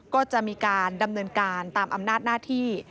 ก็จะมีการดำเนินการตามอำนาจหน้าที่